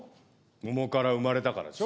桃から生まれたからでしょ。